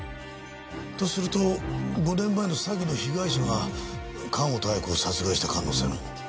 とすると５年前の詐欺の被害者が川本綾子を殺害した可能性も。